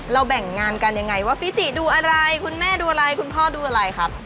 แบ่งงานกันยังไงว่าฟิจิดูอะไรคุณแม่ดูอะไรคุณพ่อดูอะไรครับ